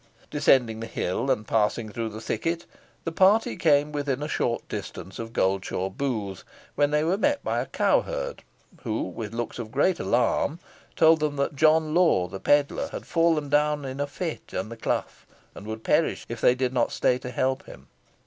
Descending the hill, and passing through the thicket, the party came within a short distance of Goldshaw Booth, when they were met by a cowherd, who, with looks of great alarm, told them that John Law, the pedlar, had fallen down in a fit in the clough, and would perish if they did not stay to help him.